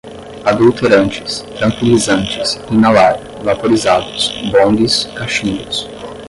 adulterantes, tranquilizantes, inalar, vaporizados, bongs, cachimbos